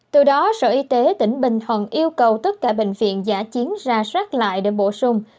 từ đó sở y tế tỉnh bình thuận yêu cầu tất cả bệnh viện giả chiến ra soát lại để bổ sung